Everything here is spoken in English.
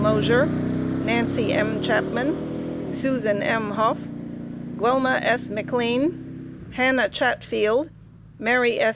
Mosher, Nancy M. Chapman, Susan M. Hough, Guelma S. McLean, Hannah Chatfield, Mary S.